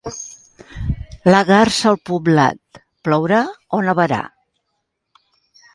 La garsa a poblat? Plourà o nevarà.